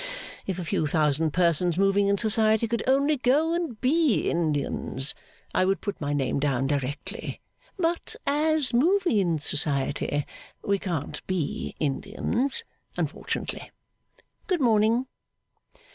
If a few thousand persons moving in Society, could only go and be Indians, I would put my name down directly; but as, moving in Society, we can't be Indians, unfortunately Good morning!